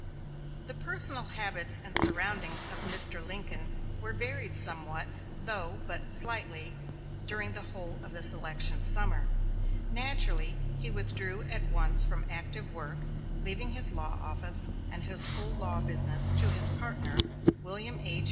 The personal habits and surroundings of Mr. Lincoln were varied somewhat, though but slightly, during the whole of this election summer. Naturally, he withdrew at once from active work, leaving his law office and his whole law business to his partner, William H.